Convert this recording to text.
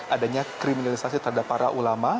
adanya kriminalisasi terhadap para ulama